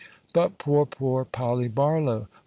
But poor, poor Polly Barlow!